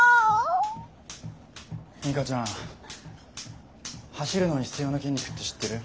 ミカちゃん走るのに必要な筋肉って知ってる？